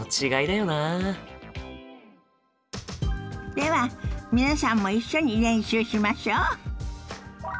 では皆さんも一緒に練習しましょ。